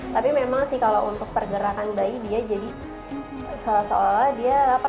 tapi memang sih kalau untuk pergerakan bayi dia jadi seolah olah dia